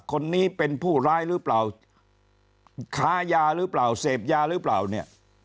คนนี้เป็นผู้ร้ายหรือเปล่าค้ายาหรือเปล่าเสพยาหรือเปล่าเนี่ย